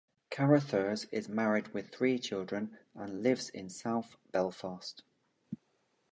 Carruthers is married with three children and lives in south Belfast.